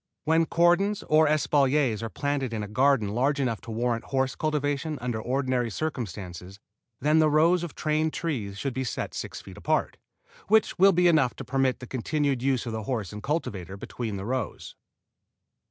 When cordons or espaliers are planted in a garden large enough to warrant horse cultivation under ordinary circumstances then the rows of trained trees should be set six feet apart, which will be enough to permit the continued use of the horse and cultivator between the rows.